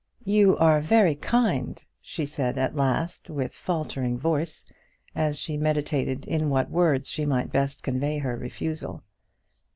"You are very kind," she said at last with faltering voice, as she meditated in what words she might best convey her refusal.